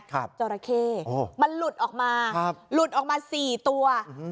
จราเข้มันหลุดออกมาครับหลุดออกมาสี่ตัวอืม